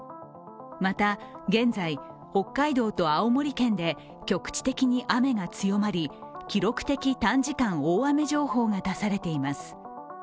また、現在、北海道と青森県で局地的に雨が強まり記録的短時間大雨情報が出されています。